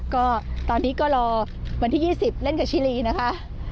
ก็ตอนนี้ก็รอวันที่๒๐เล่นกับชิลีนะคะ